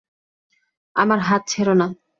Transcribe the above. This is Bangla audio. আমার হাত ছেড়ো না।